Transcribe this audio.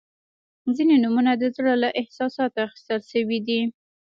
• ځینې نومونه د زړه له احساساتو اخیستل شوي دي.